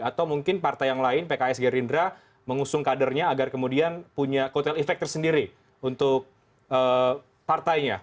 atau mungkin partai yang lain pks gerindra mengusung kadernya agar kemudian punya kotel efek tersendiri untuk partainya